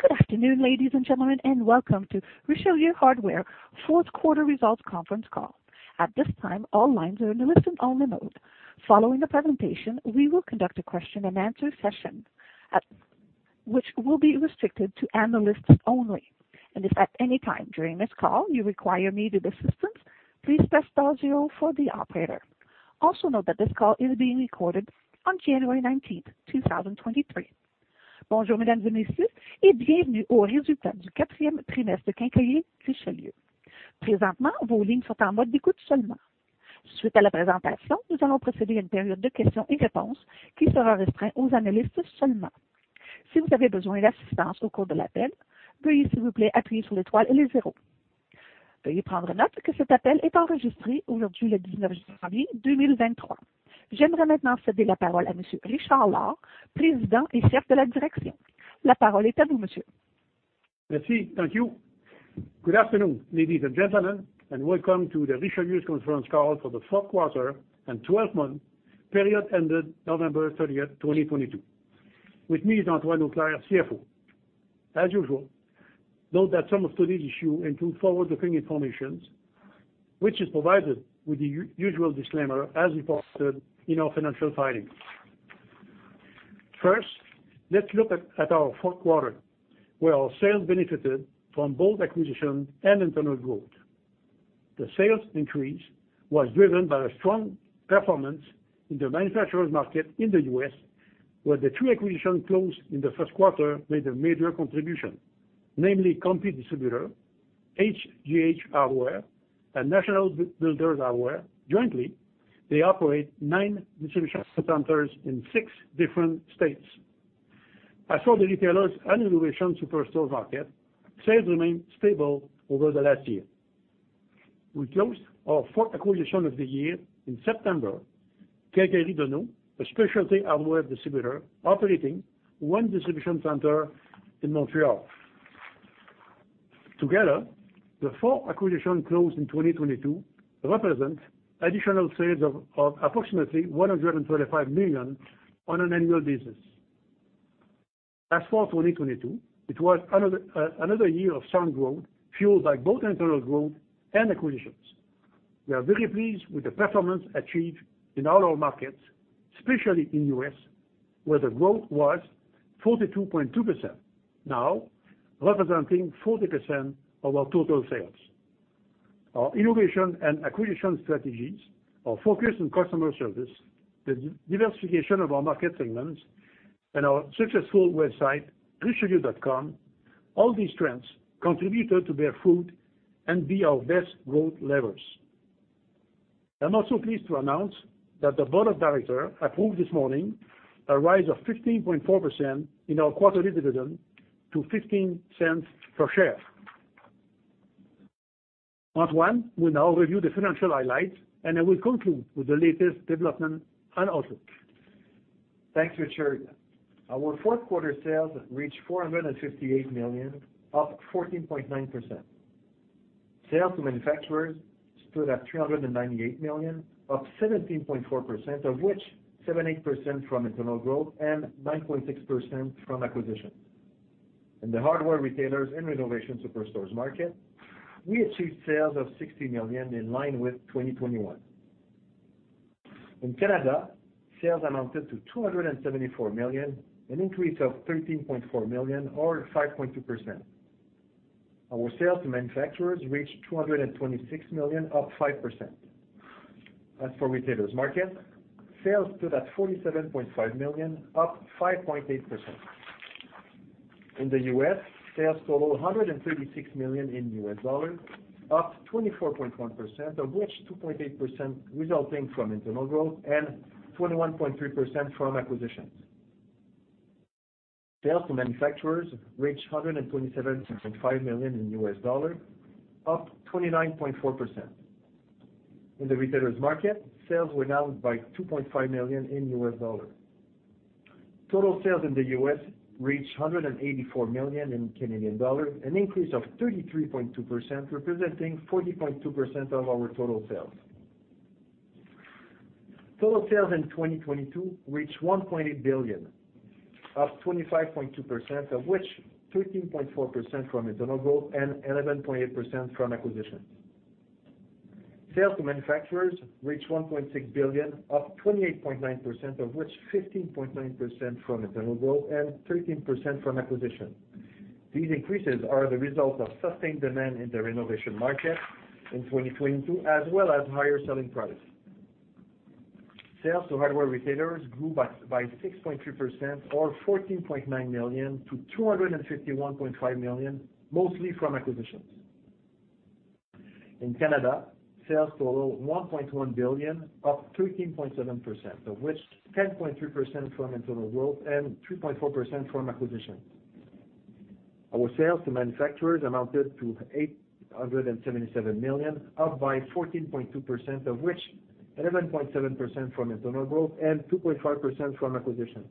Good afternoon, ladies and gentlemen, and welcome to Richelieu Hardware Fourth Quarter Results Conference Call. At this time, all lines are in a listen-only mode. Following the presentation, we will conduct a question-and-answer session which will be restricted to analysts only. If at any time during this call you require needed assistance, please press star zero for the operator. Also note that this call is being recorded on January 19th, 2023. [unintelligible] Thank you. Good afternoon, ladies and gentlemen, and welcome to the Richelieu's conference call for the fourth quarter and twelfth month period ended November 30th, 2022. With me is Antoine Auclair, CFO. As usual, note that some of today's issue include forward-looking informations, which is provided with the usual disclaimer as posted in our financial filings. First, let's look at our fourth quarter, where our sales benefited from both acquisition and internal growth. The sales increase was driven by a strong performance in the manufacturer's market in the U.S., where the two acquisitions closed in the first quarter made a major contribution, namely Compi Distributors, HGH Hardware, and National Builders Hardware. Jointly, they operate nine distribution centers in six different states. As for the retailers and renovation superstore market, sales remained stable over the last year. We closed our 4th acquisition of the year in September, Quincaillerie Deno, a specialty hardware distributor operating one distribution center in Montreal. Together, the four acquisitions closed in 2022 represent additional sales of approximately 125 million on an annual basis. As for 2022, it was another year of sound growth, fueled by both internal growth and acquisitions. We are very pleased with the performance achieved in all our markets, especially in U.S. where the growth was 42.2%, now representing 40% of our total sales. Our innovation and acquisition strategies, our focus on customer service, the diversification of our market segments, and our successful website, richelieu.com, all these trends contributed to bear fruit and be our best growth levers. I'm also pleased to announce that the board of directors approved this morning a rise of 15.4% in our quarterly dividend to 0.15 per share. Antoine will now review the financial highlights. I will conclude with the latest development and outlook. Thanks, Richard. Our fourth quarter sales reached 458 million, up 14.9%. Sales to manufacturers stood at 398 million, up 17.4%, of which 78% from internal growth and 9.6% from acquisitions. In the hardware retailers and renovation superstores market, we achieved sales of 60 million in line with 2021. In Canada, sales amounted to 274 million, an increase of 13.4 million or 5.2%. Our sales to manufacturers reached 226 million, up 5%. As for retailers market, sales stood at 47.5 million, up 5.8%. In the US, sales total $136 million, up 24.1%, of which 2.8% resulting from internal growth and 21.3% from acquisitions. Sales to manufacturers reached $127.5 million, up 29.4%. In the retailers market, sales were down by $2.5 million. Total sales in the US reached CAD 184 million, an increase of 33.2%, representing 40.2% of our total sales. Total sales in 2022 reached 1.8 billion, up 25.2%, of which 13.4% from internal growth and 11.8% from acquisitions. Sales to manufacturers reached 1.6 billion, up 28.9%, of which 15.9% from internal growth and 13% from acquisitions. These increases are the result of sustained demand in the renovation market in 2022, as well as higher selling price. Sales to hardware retailers grew by 6.3% or 14.9 million to 251.5 million, mostly from acquisitions. In Canada, sales total 1.1 billion, up 13.7%, of which 10.3% from internal growth and 3.4% from acquisitions. Our sales to manufacturers amounted to 877 million, up by 14.2%, of which 11.7% from internal growth and 2.5% from acquisitions.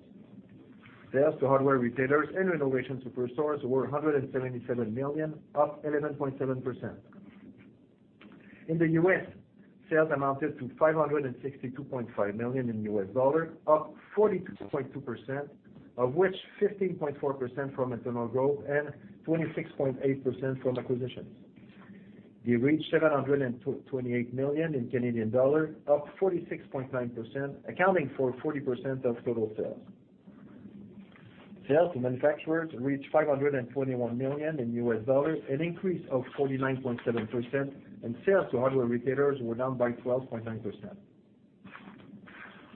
Sales to hardware retailers and renovation superstores were 177 million, up 11.7%. In the U.S., sales amounted to $562.5 million, up 42.2%, of which 15.4% from internal growth and 26.8% from acquisitions. We reached CAD 728 million, up 46.9%, accounting for 40% of total sales. Sales to manufacturers reached $521 million, an increase of 49.7%. Sales to hardware retailers were down by 12.9%.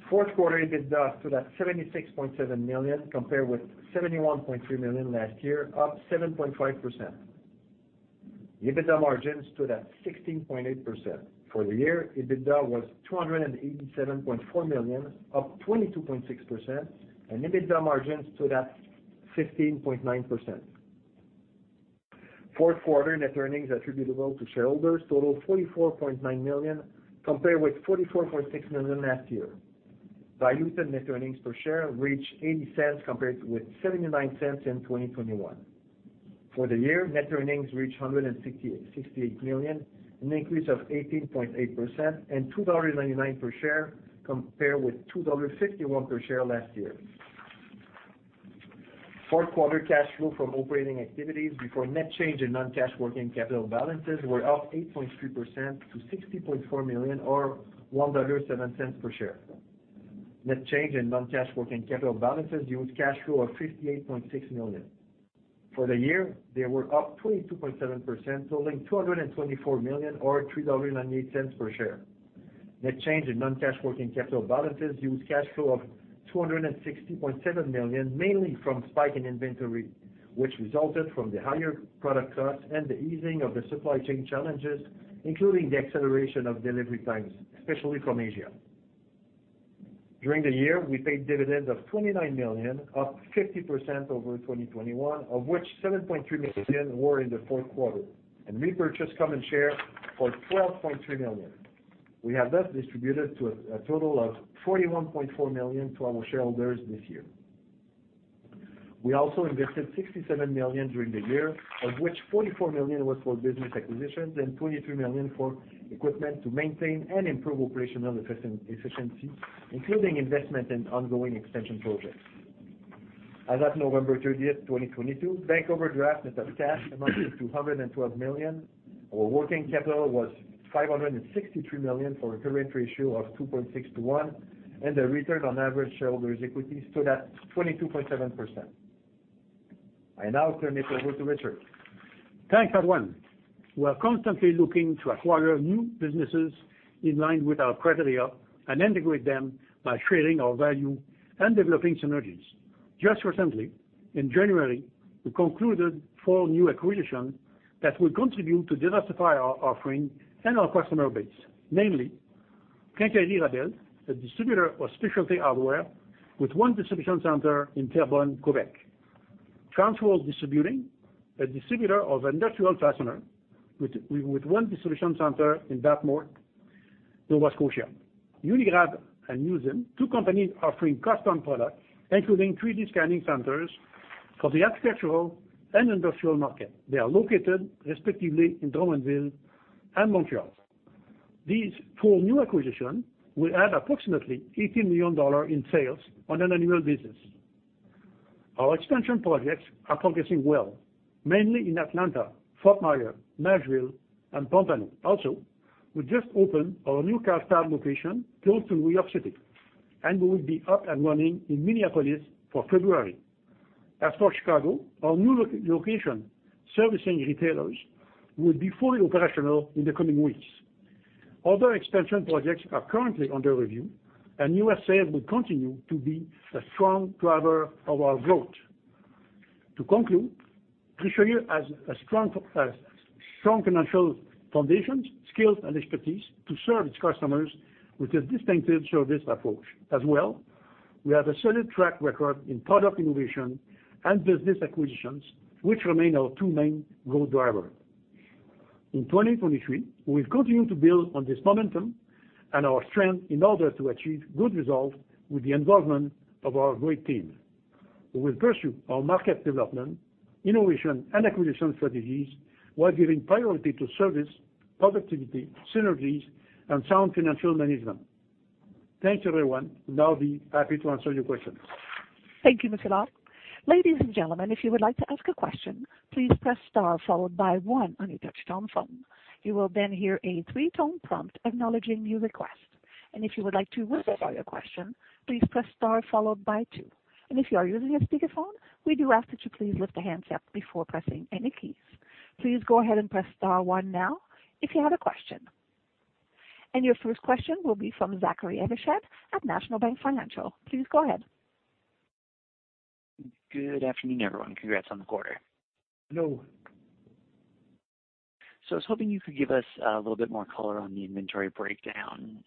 Fourth quarter EBITDA stood at 76.7 million, compared with 71.3 million last year, up 7.5%. The EBITDA margin stood at 16.8%. For the year, EBITDA was 287.4 million, up 22.6%, and EBITDA margin stood at 15.9%. Fourth quarter net earnings attributable to shareholders totaled 44.9 million, compared with 44.6 million last year. Diluted net earnings per share reached 0.80 compared with 0.79 in 2021. For the year, net earnings reached 168 million, an increase of 18.8% and 2.99 dollars per share compared with 2.51 dollars per share last year. Fourth quarter cash flow from operating activities before net change in non-cash working capital balances were up 8.3% to 60.4 million or 1.07 dollar per share. Net change in non-cash working capital balances used cash flow of 58.6 million. For the year, they were up 22.7%, totaling 224 million or 3.08 dollars per share. Net change in non-cash working capital balances used cash flow of 260.7 million, mainly from spike in inventory, which resulted from the higher product costs and the easing of the supply chain challenges, including the acceleration of delivery times, especially from Asia. During the year, we paid dividends of 29 million, up 50% over 2021, of which 7.3 million were in the fourth quarter, and repurchased common share for 12.3 million. We have thus distributed to a total of 41.4 million to our shareholders this year. We also invested 67 million during the year, of which 44 million was for business acquisitions and 23 million for equipment to maintain and improve operational efficiency, including investment in ongoing expansion projects. As of November 30th, 2022, bank overdraft net of cash amounted to 212 million. Our working capital was 563 million for a current ratio of 2.6 to one, and the return on average shareholders' equity stood at 22.7%. I now turn it over to Richard. Thanks, everyone. We are constantly looking to acquire new businesses in line with our criteria and integrate them by sharing our value and developing synergies. Just recently, in January, we concluded four new acquisitions that will contribute to diversify our offering and our customer base, namely, Quincaillerie Rabel, a distributor of specialty hardware with one distribution center in Terrebonne, Quebec. Trans-World Distributing, a distributor of industrial fastener with one distribution center in Dartmouth, Nova Scotia. Unigrav and Usimm, two companies offering custom products, including three scanning centers for the architectural and industrial market. They are located respectively in Drummondville and Montreal. These four new acquisitions will add approximately 80 million dollars in sales on an annual basis. Our expansion projects are progressing well, mainly in Atlanta, Fort Myers, Nashville, and Pompano Beach. We just opened our new Carlstadt location close to New York City, and we will be up and running in Minneapolis for February. Our new location servicing retailers will be fully operational in the coming weeks. Other expansion projects are currently under review, USA will continue to be a strong driver of our growth. Richelieu has a strong financial foundations, skills and expertise to serve its customers with a distinctive service approach. We have a solid track record in product innovation and business acquisitions, which remain our two main growth drivers. In 2023, we will continue to build on this momentum and our strength in order to achieve good results with the involvement of our great team. We will pursue our market development, innovation and acquisition strategies, while giving priority to service, productivity, synergies, and sound financial management. Thank you, everyone. Be happy to answer your questions. Thank you, Richard Lord. Ladies and gentlemen, if you would like to ask a question, please press star followed by one on your touchtone phone. You will then hear a three-tone prompt acknowledging your request. If you would like to withdraw your question, please press star followed by two. If you are using a speakerphone, we do ask that you please lift the handset before pressing any keys. Please go ahead and press star one now if you have a question. Your first question will be from Zachary Evershed at National Bank Financial. Please go ahead. Good afternoon, everyone. Congrats on the quarter. Hello. I was hoping you could give us a little bit more color on the inventory breakdown.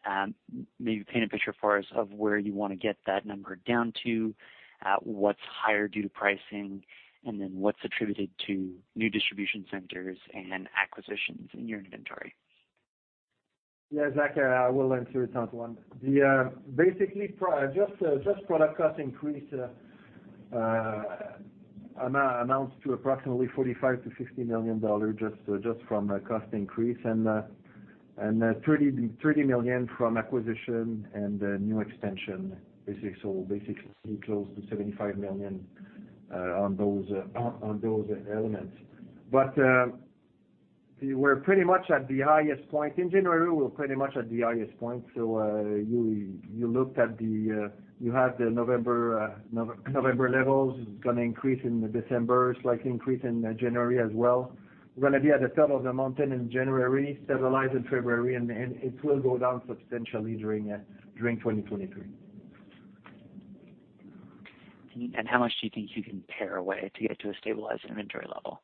Maybe paint a picture for us of where you wanna get that number down to, at what's higher due to pricing, and then what's attributed to new distribution centers and acquisitions in your inventory. Yeah, Zach, I will answer that one. The basically just product cost increase amounts to approximately 45 million-50 million dollars just from a cost increase and 30 million from acquisition and new extension. Basically, close to 75 million on those elements. We're pretty much at the highest point. In January, we're pretty much at the highest point, you looked at the, you have the November levels. It's gonna increase in December, slightly increase in January as well. We're gonna be at the top of the mountain in January, stabilize in February, and it will go down substantially during 2023. How much do you think you can pare away to get to a stabilized inventory level?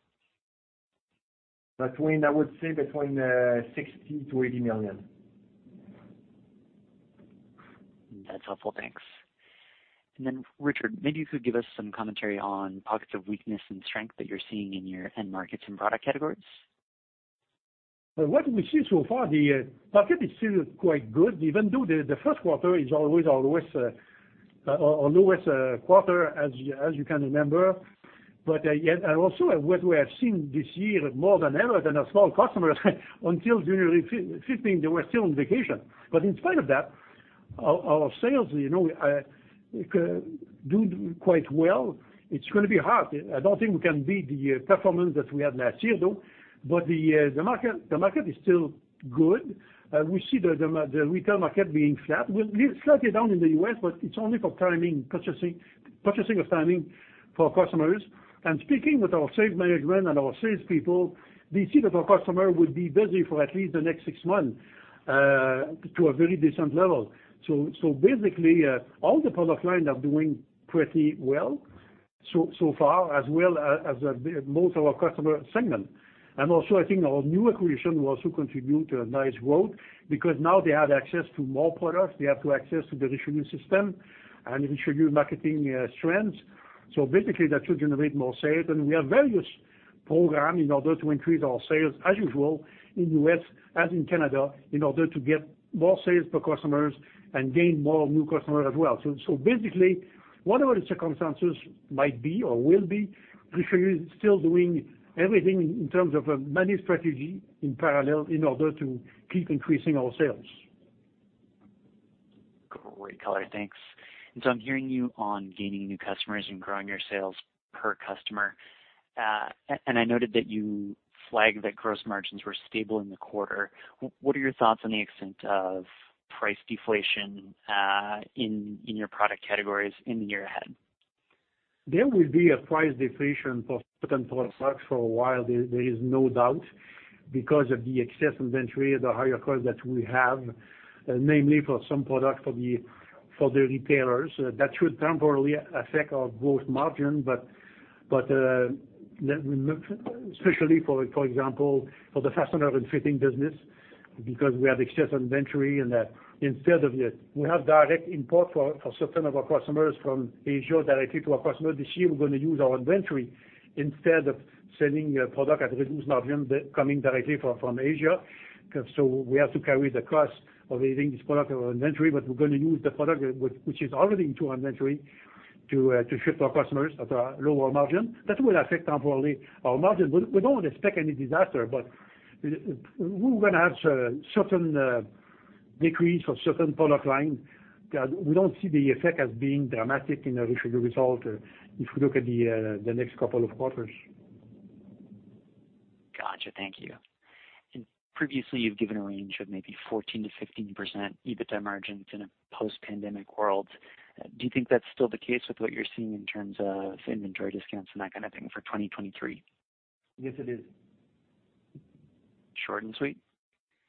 I would say between 60 million-80 million. That's helpful. Thanks. Richard, maybe you could give us some commentary on pockets of weakness and strength that you're seeing in your end markets and product categories. What we see so far, the market is still quite good even though the first quarter is always our lowest quarter as you can remember. Yeah, and also what we have seen this year more than ever than our small customers until January 15, they were still on vacation. In spite of that, our sales, you know, do quite well. It's gonna be hard. I don't think we can beat the performance that we had last year, though. The market is still good. We see the retail market being flat. Slightly down in the U.S., but it's only for timing, purchasing of timing for our customers. Speaking with our sales management and our sales people, they see that our customer will be busy for at least the next 6 months to a very decent level. Basically, all the product line are doing pretty well so far as well as most of our customer segment. Also, I think our new acquisition will also contribute to a nice growth because now they have access to more products, they have to access to distribution system and introduce marketing strengths. Basically, that should generate more sales. We have various program in order to increase our sales as usual in U.S. as in Canada, in order to get more sales per customers and gain more new customers as well. Basically, whatever the circumstances might be or will be, Richelieu is still doing everything in terms of a money strategy in parallel in order to keep increasing our sales. Basically, whatever the circumstances might be or will be, Richelieu is still doing everything in terms of a money strategy in parallel in order to keep increasing our sales. Great color. Thanks. I'm hearing you on gaining new customers and growing your sales per customer. I noted that you flagged that gross margins were stable in the quarter. What are your thoughts on the extent of price deflation in your product categories in the year ahead? There will be a price deflation for certain products for a while. There is no doubt, because of the excess inventory, the higher cost that we have, namely for some products for the retailers. That should temporarily affect our growth margin. Let me look especially for example, for the fastener and fitting business, because we have excess inventory and instead of We have direct import for certain of our customers from Asia directly to our customer. This year, we're gonna use our inventory instead of sending a product at reduced margin that coming directly from Asia. We have to carry the cost of using this product or inventory, but we're gonna use the product which is already into our inventory to ship to our customers at a lower margin. That will affect temporarily our margin. We don't expect any disaster, but we're gonna have certain decrease for certain product line. We don't see the effect as being dramatic in the Richelieu result if we look at the next couple of quarters. Gotcha. Thank you. Previously, you've given a range of maybe 14%-15% EBITDA margins in a post-pandemic world. Do you think that's still the case with what you're seeing in terms of inventory discounts and that kind of thing for 2023? Yes, it is. Short and sweet.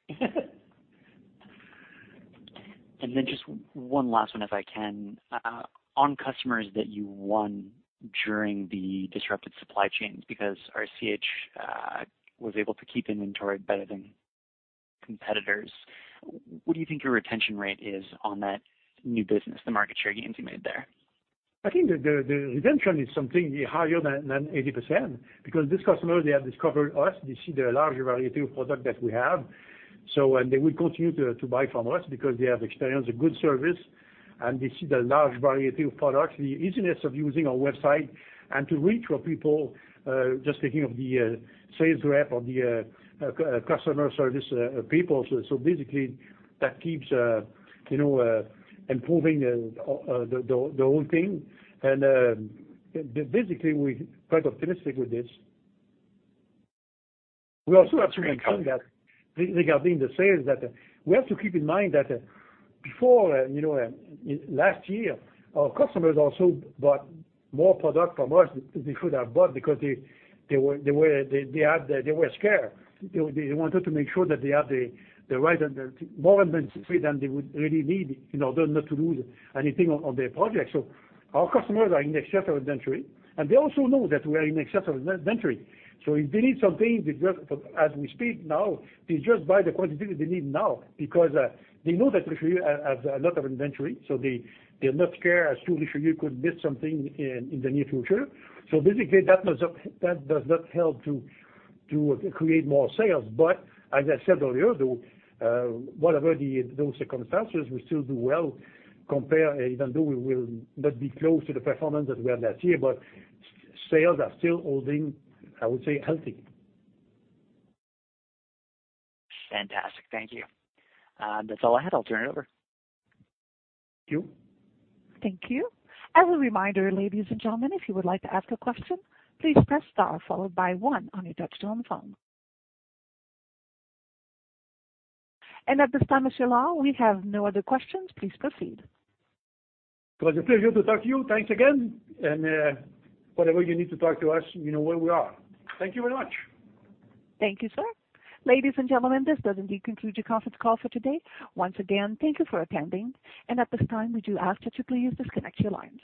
Just one last one, if I can. On customers that you won during the disrupted supply chain because RCH was able to keep inventory better than competitors, what do you think your retention rate is on that new business, the market share gains you made there? I think the retention is something higher than 80% because this customer, they have discovered us. They see the large variety of product that we have. They will continue to buy from us because they have experienced a good service, and they see the large variety of products, the easiness of using our website and to reach for people, just thinking of the sales rep of the customer service people. Basically that keeps, you know, improving the whole thing. Basically, we're quite optimistic with this. We also have to recognize that regarding the sales that we have to keep in mind that before, you know, last year, our customers also bought more product from us they should have bought because they were scared. They wanted to make sure that they had the right and the more inventory than they would really need in order not to lose anything on their project. Our customers are in excess of inventory, and they also know that we are in excess of inventory. If they need something, they just, as we speak now, they just buy the quantity they need now because they know that Richelieu has a lot of inventory, so they're not scared as to Richelieu could miss something in the near future. Basically, that does not help to create more sales. As I said earlier, though, whatever those circumstances, we still do well compare even though we will not be close to the performance that we had last year. Sales are still holding, I would say, healthy. Fantastic. Thank you. That's all I had. I'll turn it over. Thank you. Thank you. As a reminder, ladies and gentlemen, if you would like to ask a question, please press star followed by one on your touchtone phone. At this time, Monsieur Lal, we have no other questions. Please proceed. It was a pleasure to talk to you. Thanks again. Whatever you need to talk to us, you know where we are. Thank you very much. Thank you, sir. Ladies and gentlemen, this does indeed conclude your conference call for today. Once again, thank you for attending. At this time, we do ask that you please disconnect your lines.